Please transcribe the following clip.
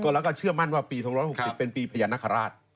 แล้วก็เชื่อมั่นว่าปี๒๖๐เป็นปีพญานาคาราช